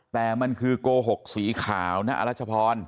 แต่มันคือโกหกสีขาวนะอรัชพร